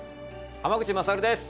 濱口優です